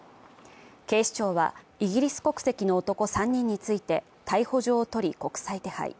警視庁は、イギリス国籍の男３人について逮捕状を取り、国際手配。